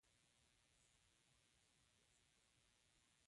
د ماښام رڼا ژر ختمېږي